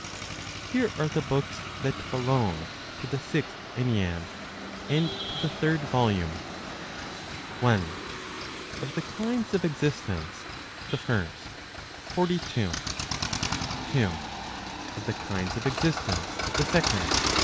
Here are the books that belong to the Sixth Ennead, and to the Third Volume. 1. Of the Kinds of Existence, the First, 42. 2. Of the Kinds of Existence, the Second, 43.